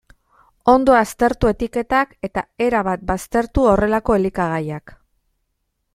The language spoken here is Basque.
Ondo aztertu etiketak, eta erabat baztertu horrelako elikagaiak.